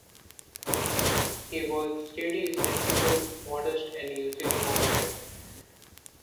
He was steady, sensible, modest and usually moderate.